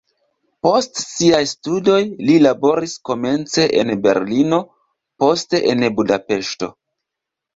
Post siaj studoj li laboris komence en Berlino, poste en Budapeŝto.